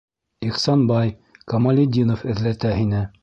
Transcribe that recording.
- Ихсанбай, Камалетдинов эҙләтә һине!